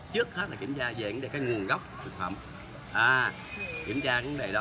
nếu đi kiểm tra kiểm soát lại nếu vi phạm thì sẽ xử phạt